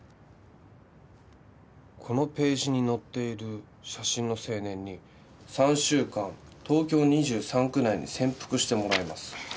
「このページに載っている写真の青年に３週間東京２３区内に潜伏してもらいます」